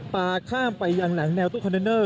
ปลาข้ามไปยังหลังแนวตู้คอนเทนเนอร์